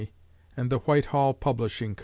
and the Whitehall Publishing Co.